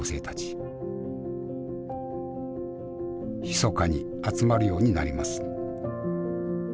ひそかに集まるようになります。